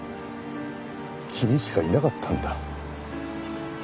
君しかいなかったんだ。